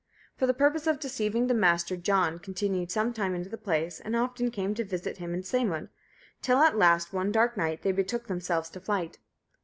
For the purpose of deceiving the master, John continued some time in the place, and often came to visit him and Sæmund; till at last, one dark night, they betook themselves to flight.